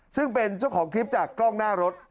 ซึ่งเป็นเจ้าของคลิปจากกล้องหน้ารถ